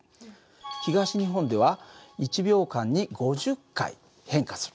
東日本では１秒間に５０回変化する。